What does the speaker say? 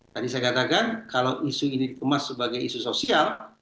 tadi saya katakan kalau isu ini dikemas sebagai isu sosial